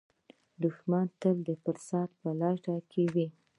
دښمن تل د فرصت په لټه کې وي